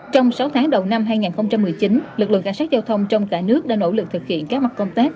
trong sáu tháng đầu năm hai nghìn một mươi chín lực lượng cảnh sát giao thông trong cả nước đã nỗ lực thực hiện các mặt công tác